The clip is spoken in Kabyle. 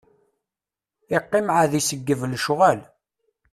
Iqqim ɛad iseggeb lecɣal.